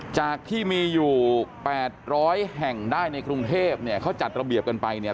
จากที่มีอยู่๘๐๐แห่งได้ในกรุงเทพเนี่ยเขาจัดระเบียบกันไปเนี่ย